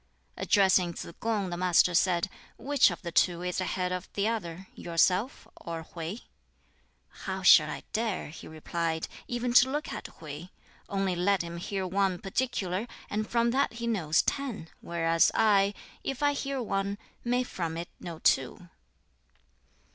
Addressing Tsz kung, the Master said, "Which of the two is ahead of the other yourself or Hwķi?" "How shall I dare," he replied, "even to look at Hwķi? Only let him hear one particular, and from that he knows ten; whereas I, if I hear one, may from it know two."